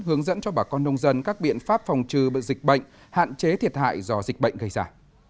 hướng dẫn cho bà con nông dân các biện pháp phòng trừ dịch bệnh hạn chế thiệt hại do dịch bệnh gây ra